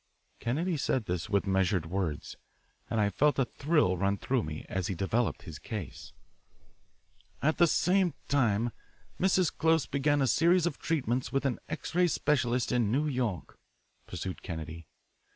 Kennedy said this with measured words, and I felt a thrill run through me as he developed his case. "At that same time, Mrs. Close began a series of treatments with an X ray specialist in New York," pursued Kennedy.